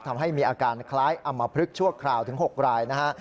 ทำให้มีอาการคล้ายอำมพลึกชั่วคราวถึง๖รายนะฮะ